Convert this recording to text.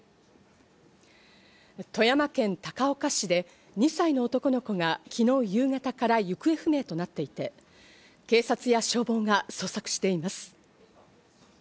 富山県高岡市で２歳の男の子が昨日夕方から行方不明となっていて、警察や消防が捜索しています。